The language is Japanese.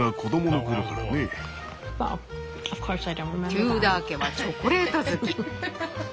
テューダー家はチョコレート好き。